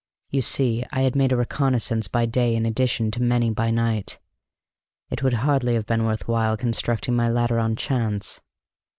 You see I had made a reconnaissance by day in addition to many by night; it would hardly have been worth while constructing my ladder on chance."